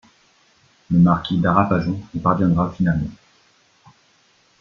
Le marquis d'Arapajon y parviendra finalement.